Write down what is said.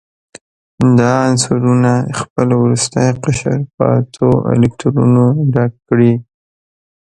دا عنصرونه خپل وروستی قشر په اتو الکترونونو ډک کړي.